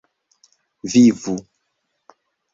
vivu